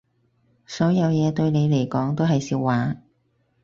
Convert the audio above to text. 所有嘢對你嚟講都係笑話